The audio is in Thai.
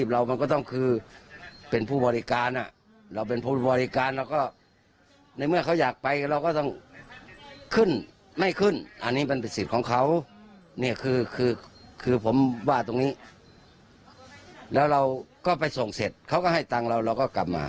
แล้วเราก็ไปส่งเสร็จเขาก็ให้ตังค์เราเราก็กลับมา